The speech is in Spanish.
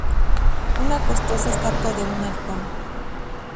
Una costosa estatua de un halcón.